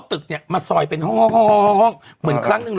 ทำไง